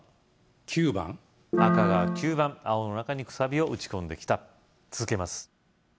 ９番赤が９番青の中にくさびを打ち込んできた続けます